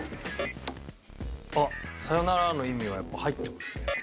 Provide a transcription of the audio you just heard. あっ『サヨナラの意味』はやっぱ入ってますね。